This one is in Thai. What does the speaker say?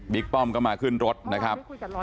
ป้อมก็มาขึ้นรถนะครับ